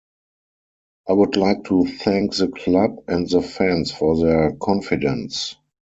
I would like to thank the club and the fans for their confidence.